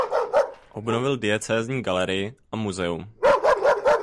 Obnovil diecézní galerii a muzeum.